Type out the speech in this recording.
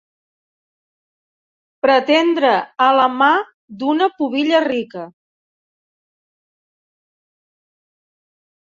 Pretendre a la mà d'una pubilla rica.